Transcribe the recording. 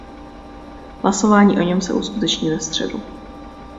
Hlasování o něm se uskuteční ve středu.